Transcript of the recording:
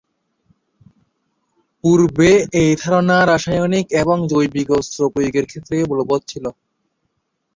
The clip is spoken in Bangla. পূর্বে এই ধারণা রাসায়নিক এবং জৈবিক অস্ত্র প্রয়োগের ক্ষেত্রেও বলবৎ ছিল।